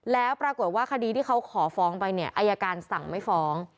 แล้วปรากฏว่าคดีที่เขาขอฟ้องไปเนี่ยอายการสั่งไม่ฟ้อง